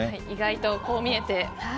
意外とこう見えて。